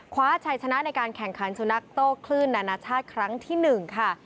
คว้าชัยชนะในการแข่งขันสุนัขโต้คลื่นนานาชาติครั้งที่๑ค่ะ